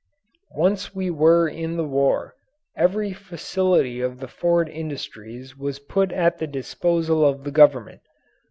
Once we were in the war, every facility of the Ford industries was put at the disposal of the Government.